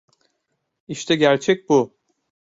İşte gerçek bu.